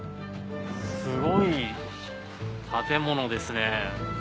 すごい建物ですね。